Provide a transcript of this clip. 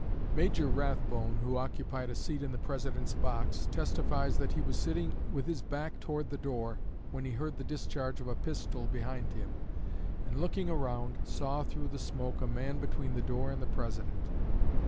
Major Rathbone, who occupied a seat in the President's box, testifies that he was sitting with his back toward the door, when he heard the discharge of a pistol behind him, and looking around saw through the smoke a man between the door and the President.